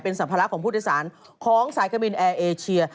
สัมภาระของผู้โดยสารของสายการบินแอร์เอเชีย